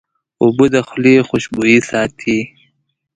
اوبه د خولې خوشبویي ساتي.